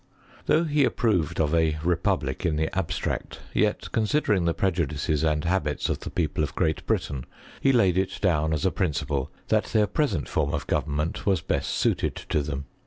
Though he approved of a republic in the abstract ; yet, considering the prejudices and habits tif the people of Great Britain, he laid it down as a principle that their present form of government was best suited to them.